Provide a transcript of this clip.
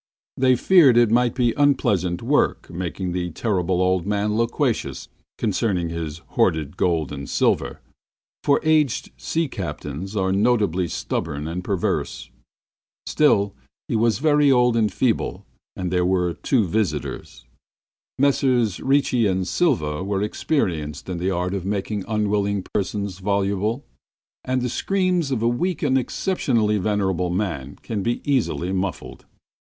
They feared it might be unpleasant work making the Terrible Old Man loquacious concerning his hoarded gold and silver, for aged sea captains are notably stubborn and perverse. Still, he was very old and very feeble, and there were two visitors. Messrs Ricci and Silva were experienced in the art of making unwilling persons voluble, and the screams of a weak and exceptionally venerable man can be easily muffled.